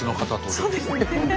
そうですね。